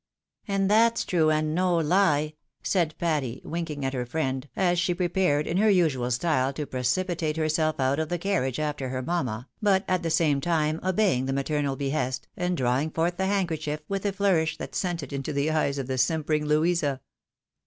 " And that's true, and no lie," said Patty, winking at her friend, as she prepared in her usual style to precipitate herself out of the carriage after her mamma, but at the same time obey ing the maternal behest, and drawing forth the handkerchief with a flourish that sent it into the eyes of the simpering Louisa.